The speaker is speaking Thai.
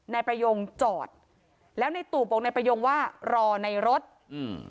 นายประยงจอดแล้วในตู่บอกนายประยงว่ารอในรถอืม